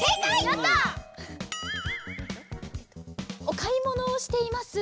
おかいものをしています。